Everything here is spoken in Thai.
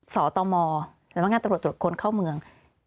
สตมสำนักงานตำรวจตรวจคนเข้าเมือง